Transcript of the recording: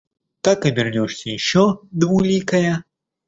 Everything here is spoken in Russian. Как обернешься еще, двуликая?